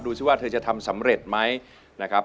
ซิว่าเธอจะทำสำเร็จไหมนะครับ